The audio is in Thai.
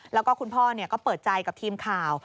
แล้วก็คุณพ่อก็เปิดใจกับทีมข่าว